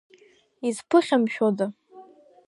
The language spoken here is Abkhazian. Изԥыхьамшәода!